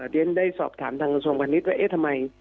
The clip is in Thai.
เรียนได้สอบถามทางกระทรวงพาณิชย์ว่าเอ๊ะทำไม